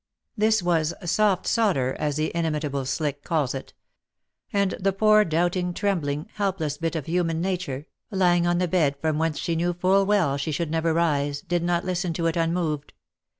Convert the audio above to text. This was " soft soder," as the inimitable Slick calls it ; and the poor doubting, trembling, helpless bit of human nature, lying on the bed from whence she knew full well she should never rise, did not listen to it unmoved.